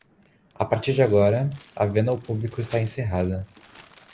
a partir de agora, a venda ao publico está encerrada